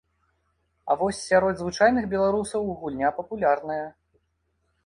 А вось сярод звычайных беларусаў гульня папулярная.